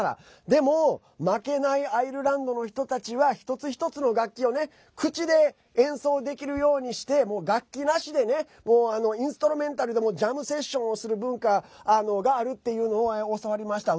でも負けないアイルランドの人たちは一つ一つの楽器を口で演奏できるようにして楽器なしでインストルメンタルでもジャムセッションをする文化があるというのを教わりました。